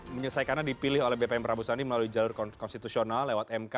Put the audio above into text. menyelesaikannya dipilih oleh bpn prabowo sandi melalui jalur konstitusional lewat mk